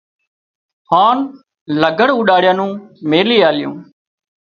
هانَ لگھڙ اوڏاڙيا نُون ميلي آليون